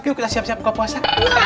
yuk kita siap siap buka puasa